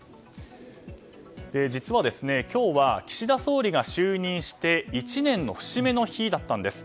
実は、今日は岸田総理が就任して１年の節目の日だったんです。